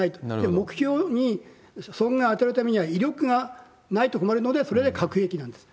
目標に村外を与えるためには、威力がないと困るので、それで核兵器なんです。